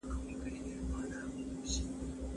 ناوړه هوا پېښې د کولرا خپرېدو زیاتوي.